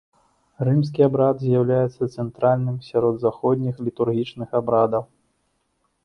Рымскі абрад з'яўляецца цэнтральным сярод заходніх літургічных абрадаў.